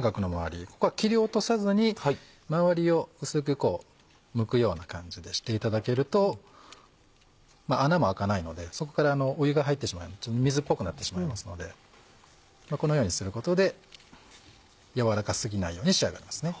ガクの回りここは切り落とさずに回りを薄くむくような感じでしていただけると穴も開かないのでそこから湯が入ってしまいますとちょっと水っぽくなってしまいますのでこのようにすることで柔らか過ぎないように仕上がりますね。